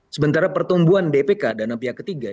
sementara pertumbuhan dpk dana pihak ketiga